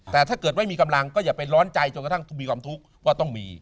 แต่ถ้าเกิดไม่มีกำลังก็อย่าไปร้อนใจจนกระทั่งมีความทุกข์ว่าต้องมี